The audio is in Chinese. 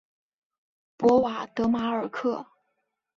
博瓦德马尔克。